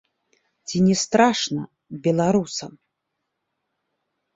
Ці не страшна беларусам?